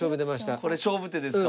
これ勝負手ですか？